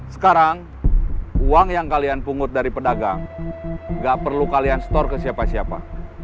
sekarang uang yang kalian pungut dari pedagang gak perlu kalian store ke siapa siapa